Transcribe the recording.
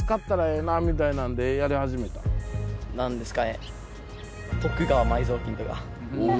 何ですかね。